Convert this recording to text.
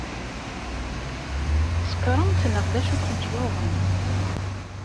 Tsekṛemt neɣ d acu ay kent-yuɣen?